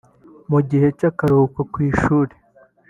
Mu gihe cy’akaruhuko ku ishuli